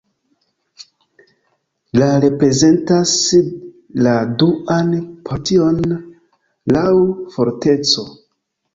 La reprezentas la duan partion laŭ forteco.